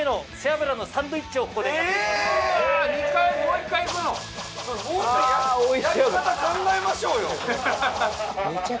やり方考えましょうよ。